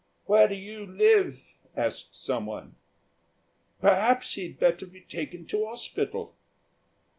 "Where do you live?" asked someone. "Perhaps he'd better be taken to hospital."